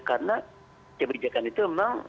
karena kebijakan itu memang